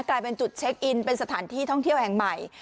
กลายเป็นจุดเช็คอินเป็นสถานที่ท่องเที่ยวแห่งใหม่